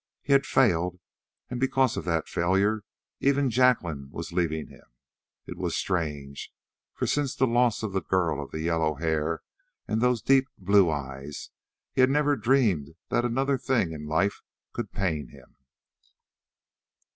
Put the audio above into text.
He had failed, and because of that failure even Jacqueline was leaving him. It was strange, for since the loss of the girl of the yellow hair and those deep blue eyes, he had never dreamed that another thing in life could pain him.